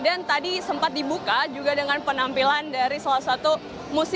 dan tadi sempat dibuka juga dengan penampilan dari salah satu musik